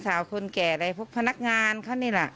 สาวคนแก่อะไรพวกพนักงานเขานี่แหละ